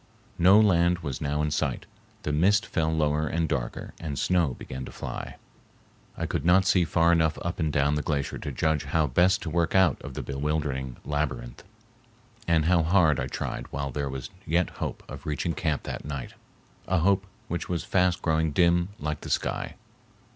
No land was now in sight. The mist fell lower and darker and snow began to fly. I could not see far enough up and down the glacier to judge how best to work out of the bewildering labyrinth, and how hard I tried while there was yet hope of reaching camp that night! a hope which was fast growing dim like the sky.